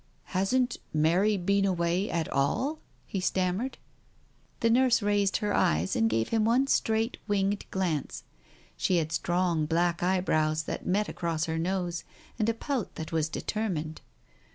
..." Hasn't Mary been away at all ?" he stammered. The nurse raised her eyes, and gave him one straight winged glance. ... She had strong black eyebrows that met across her nose, and a pout that was determined.